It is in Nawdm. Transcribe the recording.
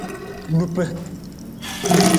Lupa.